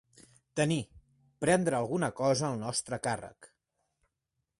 Tenir, prendre, alguna cosa al nostre càrrec.